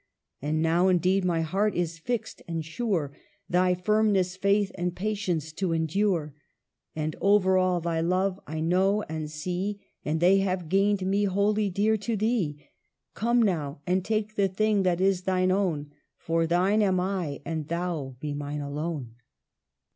And now, indeed, my heart is fixed and sure ; Thy firmness, faith, and patience to endure, And, over all, thy love, I know and see. And they have gained me wholly, dear, to thee. Come, now, and take the thing that is thine own ; For thine am I, and thou be mine alone."